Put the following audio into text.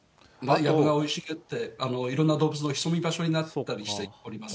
が生い茂って、いろんな動物が潜む場所になったりしています。